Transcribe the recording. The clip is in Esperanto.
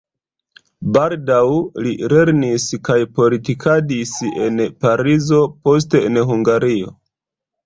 Baldaŭ li lernis kaj politikadis en Parizo, poste en Hungario.